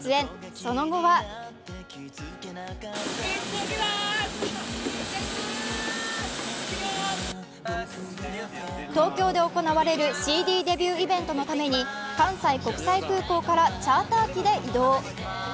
その後は東京で行われるＣＤデビューイベントのために関西国際空港からチャーター機で移動。